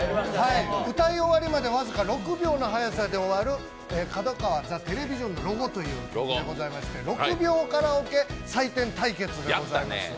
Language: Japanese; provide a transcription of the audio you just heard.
歌い終わりまで僅か６秒のはやさで終わる「角川ザ・テレビジョンのロゴ」という曲でございまして６秒カラオケ採点対決でございます。